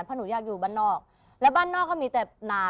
เพราะหนูอยากอยู่บ้านนอกแล้วบ้านนอกก็มีแต่หนา